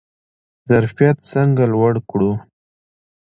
ظرفیت څنګه لوړ کړو؟